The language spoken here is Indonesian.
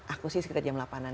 aku sih sekitar jam delapan an